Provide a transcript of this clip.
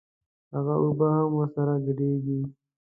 هغه اوبه هم ورسره ګډېږي.